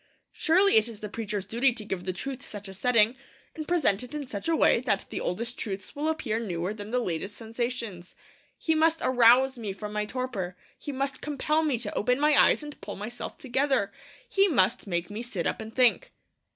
Surely it is the preacher's duty to give the truth such a setting, and present it in such a way, that the oldest truths will appear newer than the latest sensations. He must arouse me from my torpor; he must compel me to open my eyes and pull myself together; he must make me sit up and think.